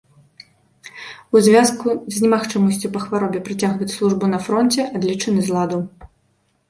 У звязку з немагчымасцю па хваробе працягваць службу на фронце, адлічаны з ладу.